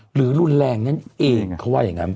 หรือรุนแรงนั่นเองเขาว่าอย่างนั้น